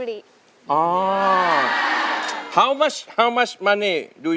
เพื่อนรักไดเกิร์ต